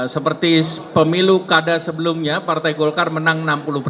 seperti pemilu kada sebelumnya partai golkar menang enam puluh tujuh